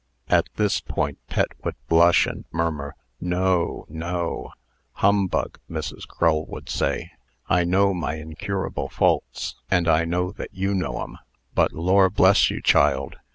At this point, Pet would blush, and murmur, "No no!" "Humbug!" Mrs. Crull would say. "I know my incurable faults, and I know that you know 'em. But Lor' bless you, child!